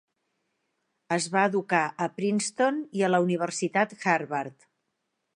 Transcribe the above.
Es va educar a Princeton i a la Universitat Harvard.